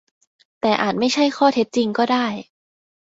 แต่อาจไม่ใช่ข้อเท็จจริงก็ได้